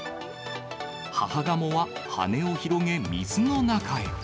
母ガモは羽を広げ、水の中へ。